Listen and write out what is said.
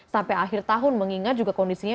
sampai akhir tahun mengingat juga kondisinya